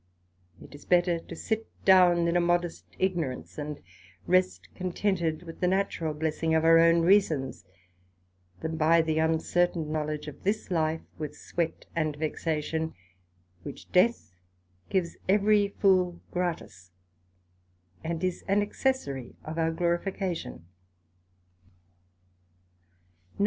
It is better to sit down in a modest ignorance, and rest contented with the natural blessing of our own reasons, than buy the uncertain knowledge of this life, with sweat and vexation, which Death gives every fool gratis, and is an accessary of our glorification.